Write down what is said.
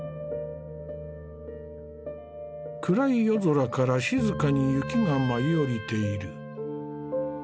暗い夜空から静かに雪が舞い降りている。